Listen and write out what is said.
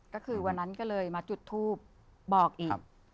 ก็คือวันนั้นก็เลยมาจุดทูบบอกอีก